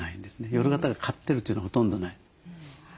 夜型が勝ってるというのはほとんどない。